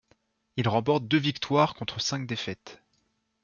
Il remporte deux victoires contre cinq défaites.